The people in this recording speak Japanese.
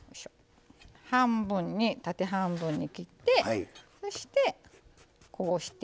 半分に縦半分に切ってそしてこうして。